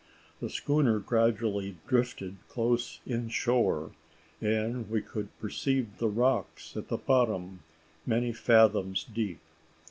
The schooner gradually drifted close in shore, and we could perceive the rocks at the bottom, many fathoms deep.